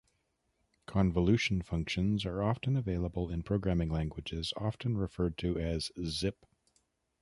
Convolution functions are often available in programming languages, often referred to as zip.